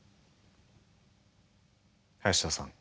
林田さん